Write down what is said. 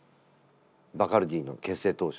バカルディの結成当初。